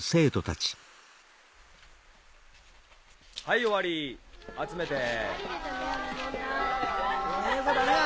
はい終わり集めて。